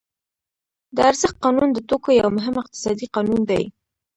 د ارزښت قانون د توکو یو مهم اقتصادي قانون دی